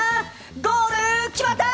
ゴール、決まった！